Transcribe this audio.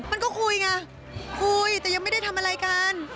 มันก็คุยไงคุยแต่ยังไม่ได้ทำอะไรกัน